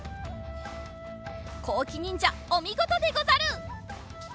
こうきにんじゃおみごとでござる！